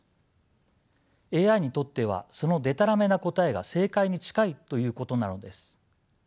ＡＩにとってはそのでたらめな答えが正解に近いということなのです。